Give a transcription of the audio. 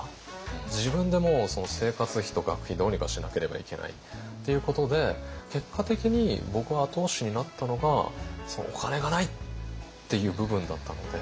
自分でもう生活費と学費どうにかしなければいけないっていうことで結果的に僕の後押しになったのがお金がないっていう部分だったので。